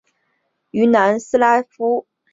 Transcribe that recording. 于南斯拉夫王国时期改用王国的国徽。